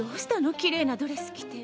きれいなドレス着て。